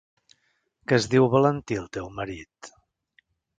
Que es diu Valentí, el teu marit?